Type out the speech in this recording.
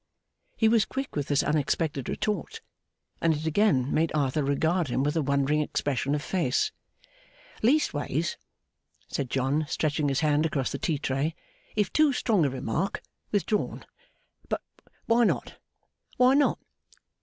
He was quick with this unexpected retort, and it again made Arthur regard him with a wondering expression of face. 'Leastways,' said John, stretching his hand across the tea tray, 'if too strong a remark, withdrawn! But, why not, why not?